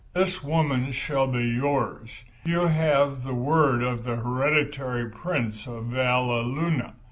This woman shall be yours. You have the word of the hereditary Prince of Valleluna.